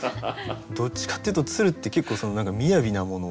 どっちかっていうと鶴って結構みやびなもの。